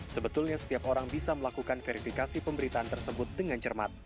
sebetulnya setiap orang bisa melakukan verifikasi pemberitaan tersebut dengan cermat